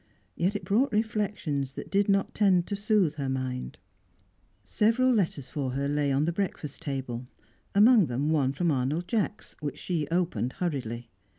Yet it brought reflections that did not tend to soothe her mind. Several letters for her lay on the breakfast table; among them, one from Arnold Jacks, which she opened hurriedly.